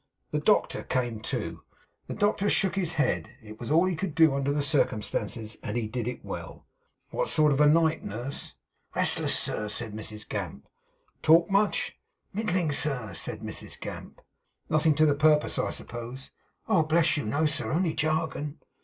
The doctor came too. The doctor shook his head. It was all he could do, under the circumstances, and he did it well. 'What sort of a night, nurse?' 'Restless, sir,' said Mrs Gamp. 'Talk much?' 'Middling, sir,' said Mrs Gamp. 'Nothing to the purpose, I suppose?' 'Oh bless you, no, sir. Only jargon.